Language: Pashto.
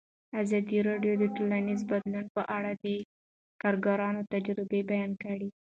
ازادي راډیو د ټولنیز بدلون په اړه د کارګرانو تجربې بیان کړي.